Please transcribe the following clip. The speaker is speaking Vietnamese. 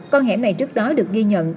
con hẻm này trước đó được ghi nhận